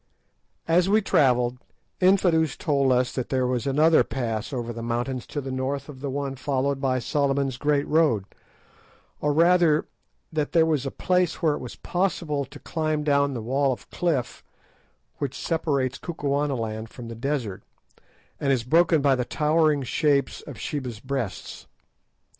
As we travelled, Infadoos told us that there was another pass over the mountains to the north of the one followed by Solomon's Great Road, or rather that there was a place where it was possible to climb down the wall of cliff which separates Kukuanaland from the desert, and is broken by the towering shapes of Sheba's Breasts.